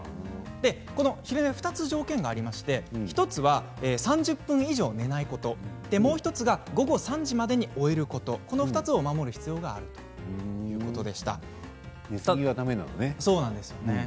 この昼寝は２つ条件がありまして１つは３０分以上寝ないこと、もう１つが午後３時までに終えることこの２つを守る必要があります。